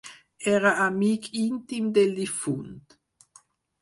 Era amic íntim del difunt